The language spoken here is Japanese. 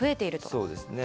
そうですね。